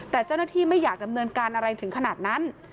แต่เจ้าหน้าที่ไม่อยากดำเนินการอะไรถึงขนาดนั้น